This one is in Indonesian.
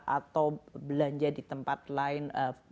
atau belanja di tempat lain